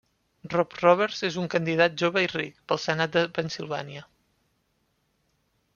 Bob Roberts és un candidat, jove i ric, pel senat de Pennsilvània.